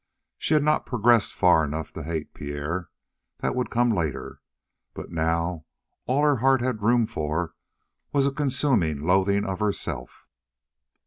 She had not progressed far enough to hate Pierre. That would come later, but now all her heart had room for was a consuming loathing of herself.